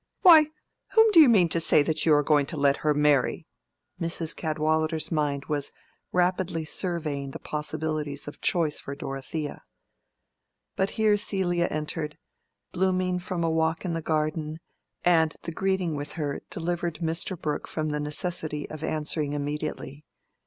"Why, whom do you mean to say that you are going to let her marry?" Mrs. Cadwallader's mind was rapidly surveying the possibilities of choice for Dorothea. But here Celia entered, blooming from a walk in the garden, and the greeting with her delivered Mr. Brooke from the necessity of answering immediately.